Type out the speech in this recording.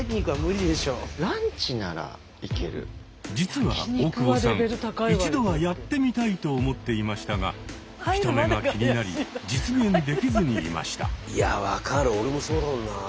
実は大久保さん一度はやってみたいと思っていましたが人目が気になり実現できずにいました。